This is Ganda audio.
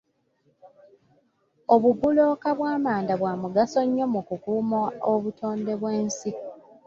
Obubulooka bw'amanda bwa mugaso nnyo mu kukuuma obutonde bw'ensi.